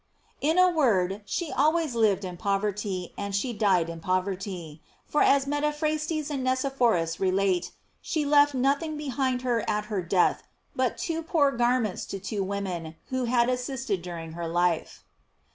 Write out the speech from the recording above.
In a word, she al ways lived in poverty, and she died in poverty; for as Metaphrastes and Nicephorus relate, she left nothing behind her at her death but two poor garments to two women, who had assisted her during life.